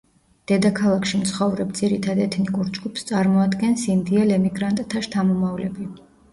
დედაქალაქში მცხოვრებ ძირითად ეთნიკურ ჯგუფს წარმოადგენს ინდიელ ემიგრანტთა შთამომავლები.